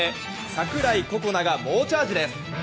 櫻井心那が猛チャージです！